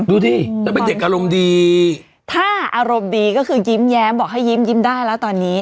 ดูดิแล้วเป็นเด็กอารมณ์ดีถ้าอารมณ์ดีก็คือยิ้มแย้มบอกให้ยิ้มยิ้มได้แล้วตอนนี้